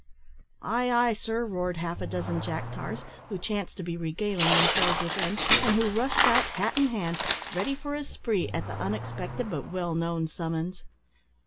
"Ay, ay, sir!" roared half a dozen jack tars, who chanced to be regaling themselves within, and who rushed out, hat in hand, ready for a spree, at the unexpected but well known summons.